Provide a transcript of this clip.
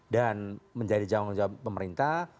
dan menjadi jawab jawab pemerintah